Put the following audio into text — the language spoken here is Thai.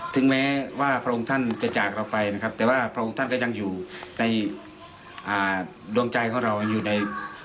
ถึงแม้ว่าพระองค์ท่านจะจากเราไปนะครับแต่ว่าพระองค์ท่านก็ยังอยู่ในอ่าดวงใจของเราอยู่ใน